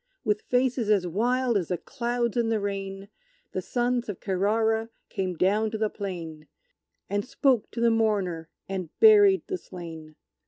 With faces as wild as the clouds in the rain, The sons of Kerrara came down to the plain, And spoke to the mourner and buried the slain.